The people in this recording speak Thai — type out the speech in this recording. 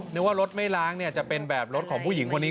นึกว่ารถไม่ล้างจะเป็นแบบรถของผู้หญิงคนนี้